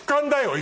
今！